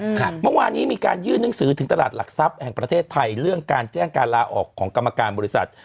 เมื่อวานนี้มีการยื่นหนังสือถึงตลาดหลักทรัพย์แห่งประเทศไทยเรื่องการแจ้งการลาออกของกรรมการบริษัท